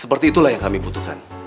seperti itulah yang kami butuhkan